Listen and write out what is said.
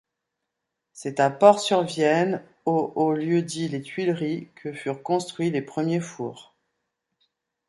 C'est à Ports-sur-Vienne au au lieu-dit les Tuileries que furent construits les premiers fours.